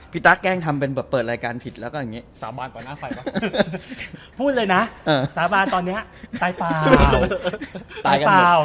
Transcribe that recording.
ตั๊กแกล้งทำเป็นแบบเปิดรายการผิดแล้วก็อย่างนี้สาบานกว่าหน้าไฟป่ะพูดเลยนะสาบานตอนนี้ตายเปล่าตายเปล่า